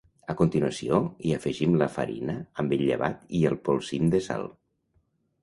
A continuació, hi afegim la farina amb el llevat i el polsim de sal.